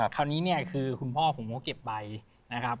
คราวนี้เนี่ยคือคุณพ่อผมก็เก็บไปนะครับ